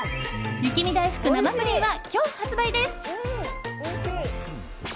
雪見だいふく生ぷりんは今日発売です。